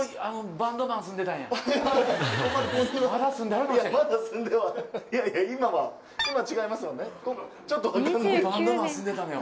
バンドマン住んでたのよ。